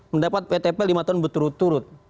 mendapat ptp lima tahun berturut turut